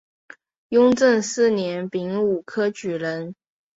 雍正四年丙午科举人。